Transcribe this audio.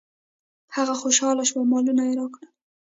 هغه خوشحاله شو او مالونه یې راکړل.